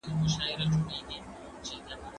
په کور کي د زده کړي لاره نه بندېږي.